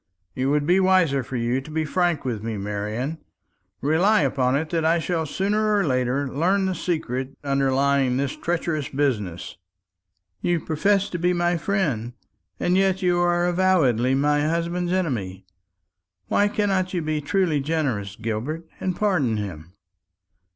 It would be wiser for you to be frank with me, Marian. Rely upon it that I shall sooner or later learn the secret underlying this treacherous business." "You profess to be my friend, and yet are avowedly say husband's enemy. Why cannot you be truly generous, Gilbert, and pardon him?